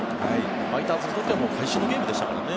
ファイターズにとっては会心のゲームでしたからね。